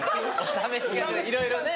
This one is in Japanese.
いろいろね。